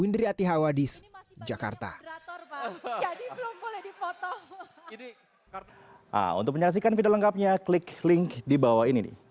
diri atihawa dis jakarta